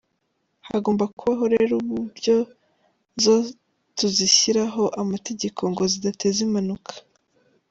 Hagomba kubaho rero uburyo zo tuzishyiriraho amategeko ngo zidateza impanuka.